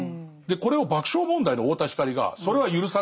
これを爆笑問題の太田光がそれは許されない。